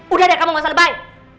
udah deh kamu gak usah lebay